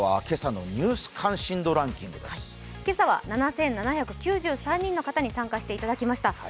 今朝は７７９３人の方に参加していただきました。